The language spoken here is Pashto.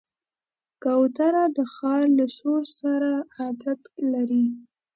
کوتره د ښار له شور سره عادت لري.